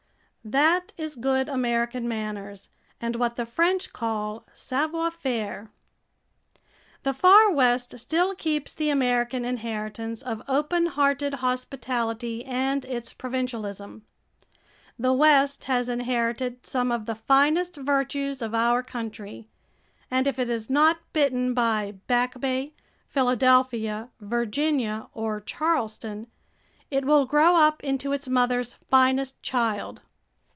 That is good American manners and what the French call savoir faire. The Far West still keeps the American inheritance of open hearted hospitality and its provincialism. The West has inherited some of the finest virtues of our country, and if it is not bitten by Back Bay, Philadelphia, Virginia, or Charleston, it will grow up into its mother's finest child.